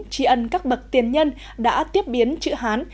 tri ân các bậc tiền nhân đã tiếp biến chữ hán